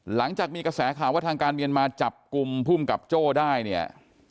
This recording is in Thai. หลังจากมีกระแสข่าวว่าทางการเมียนมาจับกลุ่มภูมิกับโจ้ได้เนี่ย